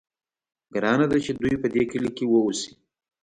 ګرانه ده چې دوی په دې کلي کې واوسي.